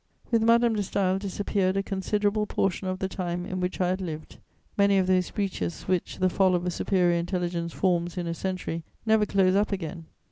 With Madame de Staël disappeared a considerable portion of the time in which I had lived: many of those breaches which the fall of a superior intelligence forms in a century never close up again.